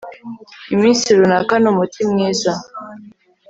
iminsi runaka ni umuti mwiza